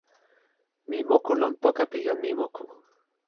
mi moku lon poka pi jan Mimoku.